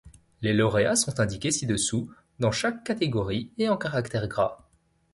Les lauréats sont indiqués ci-dessous dans chaque catégorie et en caractères gras.